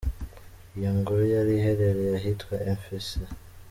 Iyi ngoro yari iherereye ahitwa Ephèse.